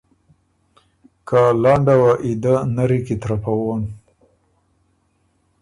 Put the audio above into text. که لنډه وه ای دۀ نری کی ترپَوِن۔